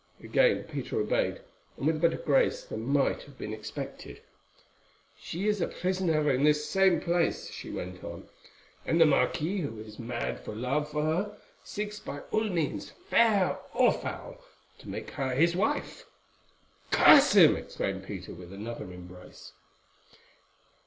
Again Peter obeyed, and with a better grace than might have been expected. "She is a prisoner in this same palace," she went on, "and the marquis, who is mad for love of her, seeks by all means, fair or foul, to make her his wife!" "Curse him!" exclaimed Peter with another embrace.